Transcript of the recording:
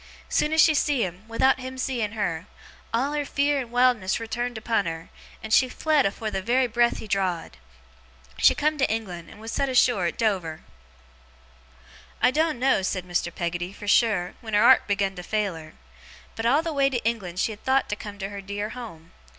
Soon as she see him, without him seeing her, all her fear and wildness returned upon her, and she fled afore the very breath he draw'd. She come to England, and was set ashore at Dover. 'I doen't know,' said Mr. Peggotty, 'for sure, when her 'art begun to fail her; but all the way to England she had thowt to come to her dear home.